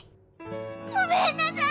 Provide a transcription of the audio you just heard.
ごめんなさい！